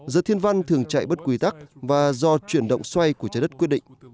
giờ thiên văn thường chạy bất quy tắc và do chuyển động xoay của trái đất quyết định